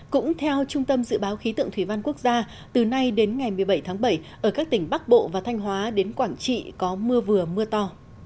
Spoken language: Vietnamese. cũng theo trung tâm dự báo khí tượng thủy văn quốc gia từ nay đến ngày một mươi bảy tháng bảy ở các tỉnh bắc bộ và thanh hóa đến quảng trị có mưa vừa mưa to